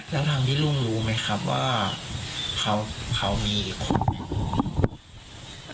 แล้วทางที่ลูกรู้มั้ยครับว่าเขามีอีกคน